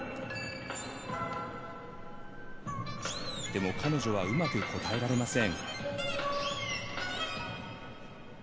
でも、彼女はうまく答えられません。